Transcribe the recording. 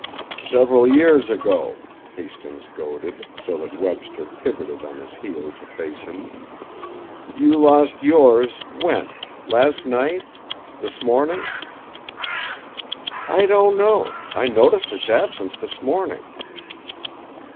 "Several years ago," Hastings goaded, so that Webster pivoted on his heel to face him; "you lost yours when? last night? this morning?" "I don't know! I noticed its absence this morning."